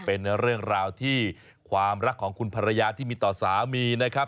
เป็นเรื่องราวที่ความรักของคุณภรรยาที่มีต่อสามีนะครับ